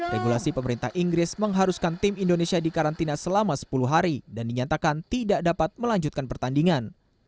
regulasi pemerintah inggris mengharuskan tim indonesia di karantina selama sepuluh hari dan dinyatakan tidak dapat melanjutkan pertandingan